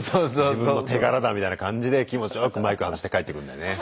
自分の手柄だみたいな感じで気持ちよくマイク外して帰ってくんだよね。